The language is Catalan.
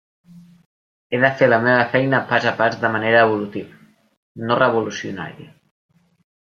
He de fer la meva feina pas a pas de manera evolutiva, no revolucionària.